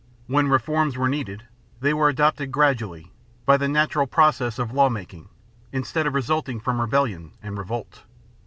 When reforms were needed, they were adopted gradually, by the natural process of lawmaking, instead of resulting from rebellion and revolt.